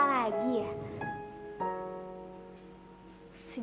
sejak kapan ya raka kerja di sini